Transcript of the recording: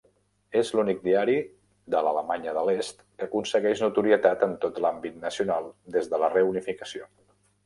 És l'únic diari d'Alemanya de l'Est que aconsegueix notorietat en tot l'àmbit nacional des de la reunificació.